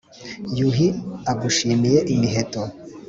yuhi agushimiye imiheto.